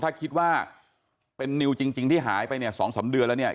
ถ้าคิดว่าเป็นนิวจริงที่หายไปเนี่ย๒๓เดือนแล้วเนี่ย